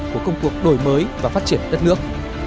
của công cuộc đổi mới và phát triển đất nước